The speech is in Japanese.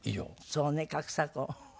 そうね格差婚。